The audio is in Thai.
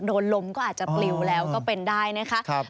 หรอกโดนลมก็อาจจะปลิวแล้วก็เป็นได้นะครับ